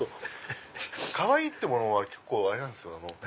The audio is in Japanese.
かわいいってものは結構あれなんですよ。